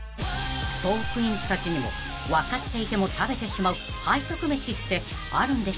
［トークィーンズたちにも分かっていても食べてしまう背徳飯ってあるんでしょうか？］